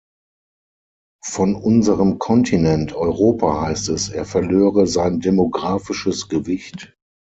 Von unserem Kontinent Europa heißt es, er verlöre sein demographisches Gewicht.